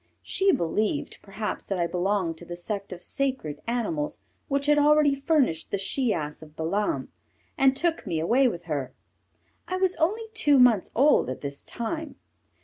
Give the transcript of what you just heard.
She believed, perhaps, that I belonged to the sect of sacred animals which had already furnished the she ass of Balaam, and took me away with her. I was only two months old at this time.